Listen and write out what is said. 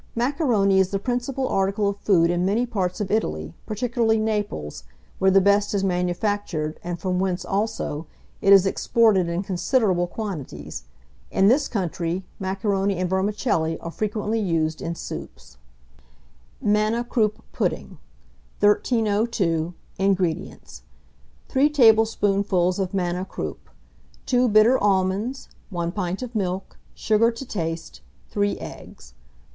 Macaroni is the principal article of food in many parts of Italy, particularly Naples, where the best is manufactured, and from whence, also, it is exported in considerable quantities. In this country, macaroni and vermicelli are frequently used in soups. [Illustration: MACARONI.] MANNA KROUP PUDDING. 1302. INGREDIENTS. 3 tablespoonfuls of manna kroup, 12 bitter almonds, 1 pint of milk, sugar to taste, 3 eggs.